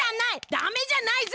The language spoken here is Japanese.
ダメじゃないぞ！